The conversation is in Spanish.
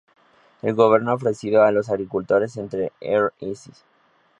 El gobierno ha ofrecido a los agricultores entre Rs.